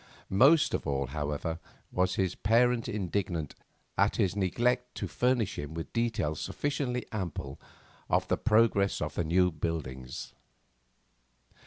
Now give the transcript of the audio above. Most of all, however, was his parent indignant at his neglect to furnish him with details sufficiently ample of the progress of the new buildings.